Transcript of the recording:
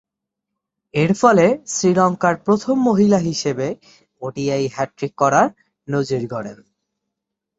এরফলে শ্রীলঙ্কার প্রথম মহিলা হিসেবে ওডিআই হ্যাট্রিক করার নজির গড়েন।